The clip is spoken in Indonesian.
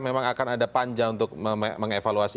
memang akan ada panja untuk mengevaluasi